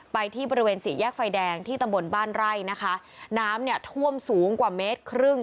ไปที่บริเวณสี่แยกไฟแดงที่ตำบลบ้านไร่นะคะน้ำเนี่ยท่วมสูงกว่าเมตรครึ่ง